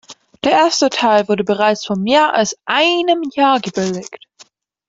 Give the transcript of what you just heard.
Der erste Teil wurde bereits vor mehr als einem Jahr gebilligt.